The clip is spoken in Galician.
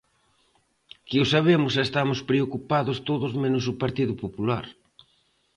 Que o sabemos e estamos preocupados todos menos o Partido Popular.